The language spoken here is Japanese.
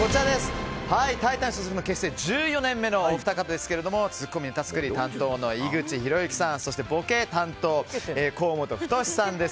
タイタン所属の結成１４年目のお二方ですがツッコミ・ネタ作り担当の井口浩之さんそしてボケ担当、河本太さんです。